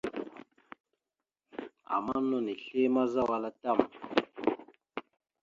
Ama no nislémazza wal a tam.